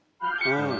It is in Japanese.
うん。